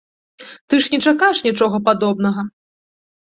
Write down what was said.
Ты ж не чакаеш нічога падобнага.